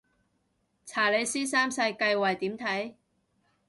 查理斯三世繼位點睇